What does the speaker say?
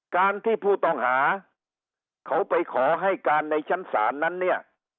การที่ผู้ต้องหาเขาไปขอให้การในชั้นศาลนั้นเนี่ย